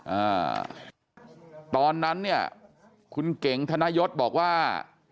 อ่าตอนนั้นเนี่ยคุณเก๋งธนยศบอกว่า